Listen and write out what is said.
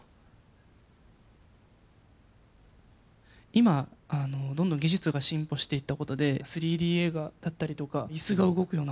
今どんどん技術が進歩していった事で３Ｄ映画だったりとか椅子が動くようなものがあったりとか。